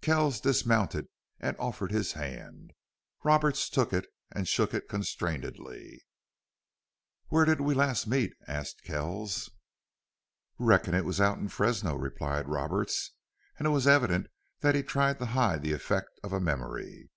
Kells dismounted and offered his hand. Roberts took it and shook it constrainedly. "Where did we meet last?" asked Kells. "Reckon it was out of Fresno," replied Roberts, and it was evident that he tried to hide the effect of a memory.